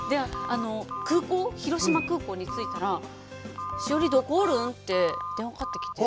空港、広島空港に着いたら、“しほり、どこおるん？”って電話かかってきて。